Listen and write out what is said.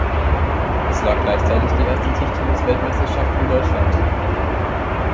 Es war gleichzeitig die erste Tischtennis-Weltmeisterschaft in Deutschland.